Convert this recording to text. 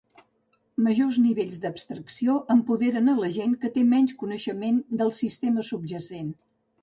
Majors nivells d'abstracció empoderen a la gent que té menys coneixement del sistema subjacent.